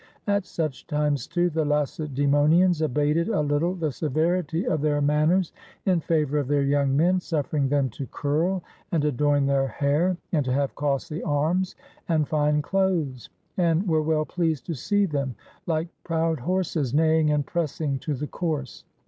At such times, too, the Lace daemonians abated a little the severity of their manners 49 GREECE in favor of their young men, suffering them to curl and adorn their hair, and to have costly arms, and fine clothes ; and were well pleased to see them, like proud horses, neighing and pressing to the course.